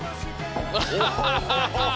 ハハハハハ！